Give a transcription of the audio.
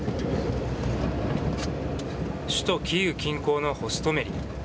首都キーウ近郊のホストメリ。